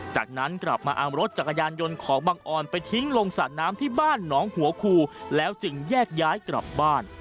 จากนั้นกลับมาเอารถจักรยานยนต์ของบังออนไปทิ้งลงสระน้ำที่บ้านหนองหัวคูแล้วจึงแยกย้ายกลับบ้าน